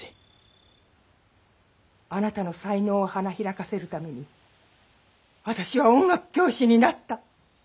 あなたの才能を花開かせるために私は音楽教師になった。